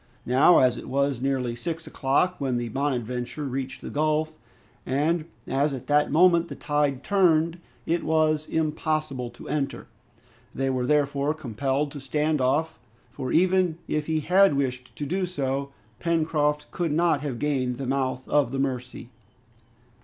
Now, as it was nearly six o'clock when the "Bonadventure" reached the gulf, and as at that moment the tide turned, it was impossible to enter. They were therefore compelled to stand off, for even if he had wished to do so, Pencroft could not have gained the mouth of the Mercy.